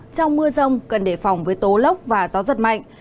trong mưa rông cần đề phòng với tố lốc và gió giật mạnh